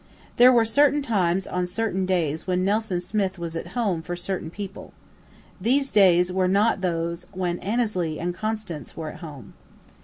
There were certain times on certain days when Nelson Smith was "at home" for certain people. These days were not those when Annesley and Constance were "at home."